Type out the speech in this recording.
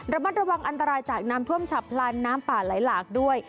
ระมัดระวังอันตรายจากน้ำท่วมฉับพลันน้ำป่าไหลหลากด้วย